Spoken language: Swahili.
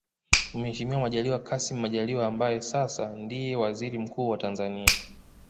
Mheshimiwa Majaliwa Kassim Majaliwa ambaye sasa ndiye Waziri Mkuu wa Tanzania